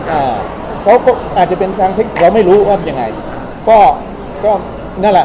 อ่าเขาก็อาจจะเป็นทางเทคเราไม่รู้ว่ายังไงก็ก็นั่นแหละ